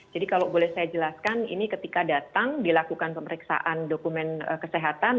jadi kalau boleh saya jelaskan ini ketika datang dilakukan pemeriksaan dokumen kesehatan